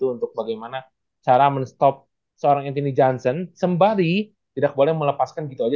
untuk bisa mengakali hal ini ya